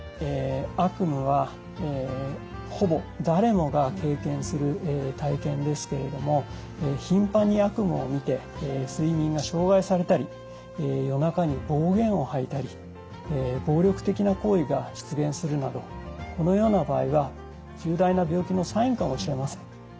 悪夢はほぼ誰もが経験する体験ですけれどもひんぱんに悪夢をみて睡眠が障害されたり夜中に暴言を吐いたり暴力的な行為が出現するなどこのような場合は重大な病気のサインかもしれません。